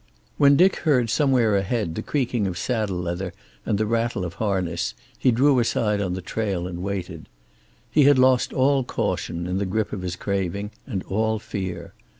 When Dick heard somewhere ahead the creaking of saddle leather and the rattle of harness he drew aside on the trail and waited. He had lost all caution in the grip of his craving, and all fear.